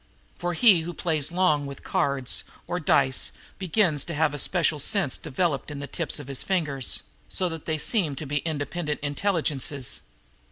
For he who plays long with cards or dice begins to have a special sense developed in the tips of his fingers, so that they seem to be independent intelligences.